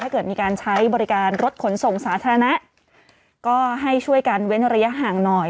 เกิดมีการใช้บริการรถขนส่งสาธารณะก็ให้ช่วยกันเว้นระยะห่างหน่อย